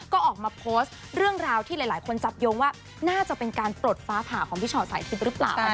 ก็ออกมาโพสต์เรื่องราวที่หลายคนจับโยงว่าน่าจะเป็นการปลดฟ้าผ่าของพี่ชอตสายทิพย์หรือเปล่า